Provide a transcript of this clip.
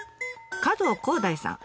加藤広大さん。